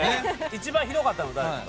一番ひどかったの誰ですか？